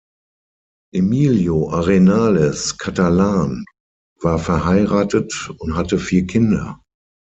Emilio Arenales Catalán war verheiratet und hatte vier Kinder.